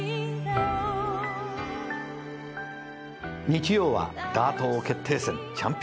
日曜はダート王決定戦。